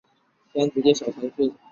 毕业于哈萨克斯坦工学院。